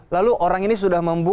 lalu orang ini sudah membuka